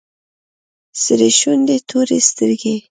سرې شونډې تورې سترگې.